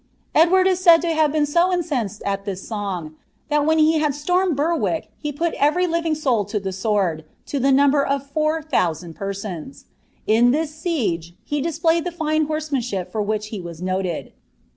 Edwan) In incensed at this song, ihal when iie bod slonneil Btmriek he puc everr living soul to the sword, to the number of four thonssnd persons, in this siege he tUspIayed the fine horsemanship for which he was noted.